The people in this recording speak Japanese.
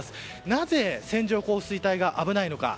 なぜ線上降水帯が危ないのか。